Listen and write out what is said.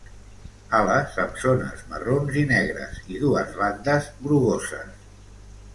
Ales amb zones marrons i negres i dues bandes grogoses.